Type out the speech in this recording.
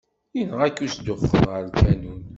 Yenɣa-k usduxxen ɣer lkanun!